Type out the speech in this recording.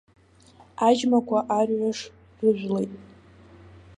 Аџьмақәа арҩаш рыжәлеит.